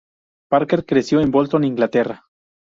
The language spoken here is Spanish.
Parker creció en Bolton, Inglaterra.